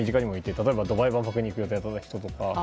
例えば、ドバイ万博に行く予定だった人とか。